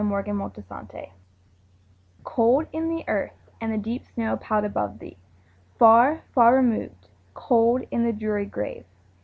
Emily Brontë Remembrance COLD in the earth, and the deep snow piled above thee! Far, far removed, cold in the dreary grave!